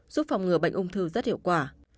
giúp phòng ngừa bệnh ung thư rất hiệu quả